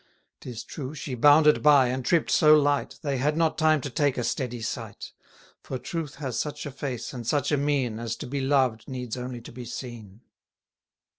30 'Tis true, she bounded by, and tripp'd so light, They had not time to take a steady sight; For truth has such a face and such a mien, As to be loved needs only to be seen.